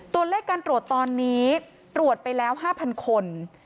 ตัวเลขการตรวจตอนนี้ตรวจไปแล้ว๕๐๐คน